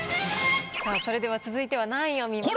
さあそれでは続いては何位を見ますか？